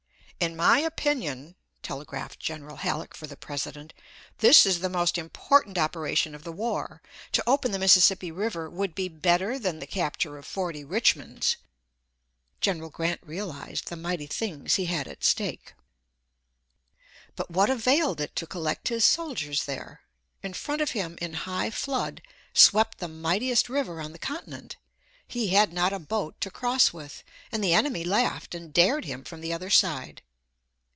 "In my opinion," telegraphed General Halleck for the President, "_this is the most important operation of the war. To open the Mississippi River would be better than the capture of forty Richmonds._" General Grant realized the mighty things he had at stake. But what availed it to collect his soldiers there? In front of him, in high flood, swept the mightiest river on the continent; he had not a boat to cross with, and the enemy laughed and dared him from the other side.